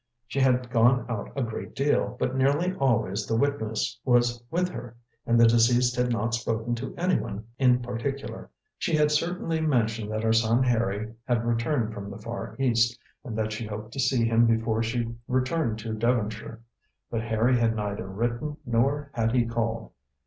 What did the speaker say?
She had gone out a great deal, but nearly always the witness was with her, and the deceased had not spoken to anyone in particular. She had certainly mentioned that her son Harry had returned from the Far East, and that she hoped to see him before she returned to Devonshire. But Harry had neither written nor had he called.